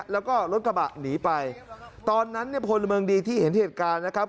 แล้วก็รถกระบะหนีไปตอนนั้นเนี่ยพลเมืองดีที่เห็นเหตุการณ์นะครับ